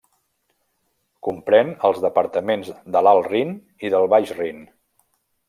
Comprèn els departaments de l'Alt Rin i del Baix Rin.